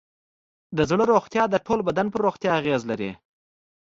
د زړه روغتیا د ټول بدن پر روغتیا اغېز لري.